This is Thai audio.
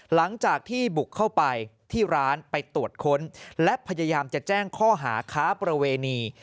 หลังจากที่บุกเข้าไปที่ร้านไปตรวจค้นและพยายามจะแจ้งข้อหาค้าประเวณี